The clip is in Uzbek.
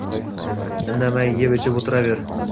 Indamay eb-ichib o`tiraver